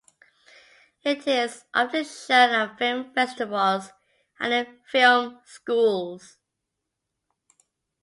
It is often shown at film festivals and in film schools.